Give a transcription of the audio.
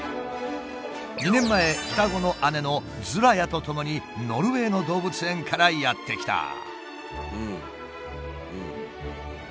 ２年前双子の姉のズラヤとともにノルウェーの動物園からやって来た。